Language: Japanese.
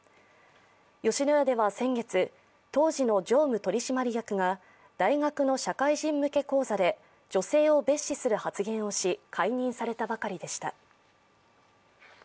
吉野家では先月、当時の常務取締役が大学の社会人向け講座で女性を蔑視する発言をし解任されたばかりでした。